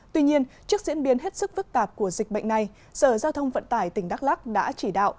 tuy nhiên trước diễn biến hết sức phức tạp của dịch bệnh này sở giao thông vận tải tỉnh đắk lắc đã chỉ đạo